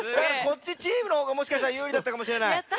こっちチームのほうがもしかしたらゆうりだったかもしれない。